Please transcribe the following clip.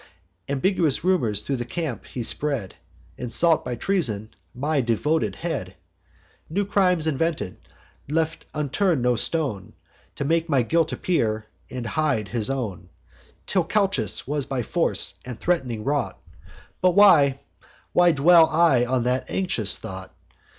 Ambiguous rumours thro' the camp he spread, And sought, by treason, my devoted head; New crimes invented; left unturn'd no stone, To make my guilt appear, and hide his own; Till Calchas was by force and threat'ning wrought: But why—why dwell I on that anxious thought?